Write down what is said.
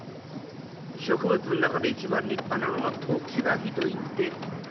植物の中で一番立派なのは常磐木といって松だそうだよ。